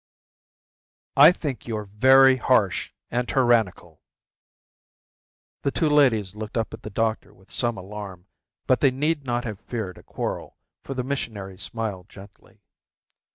"I think you're very harsh and tyrannical." The two ladies looked up at the doctor with some alarm, but they need not have feared a quarrel, for the missionary smiled gently.